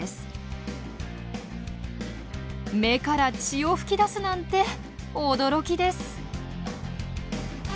目から血を噴き出すなんて驚きです。